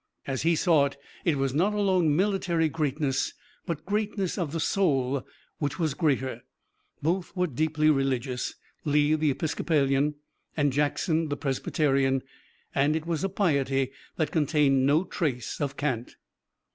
As he saw it, it was not alone military greatness but greatness of the soul, which was greater. Both were deeply religious Lee, the Episcopalian, and Jackson, the Presbyterian, and it was a piety that contained no trace of cant.